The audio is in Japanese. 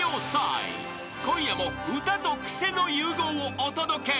［今夜も歌とクセの融合をお届け。